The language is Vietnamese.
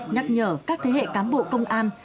nhắc nhở các thế hệ cán bộ công an